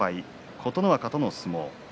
琴ノ若との相撲。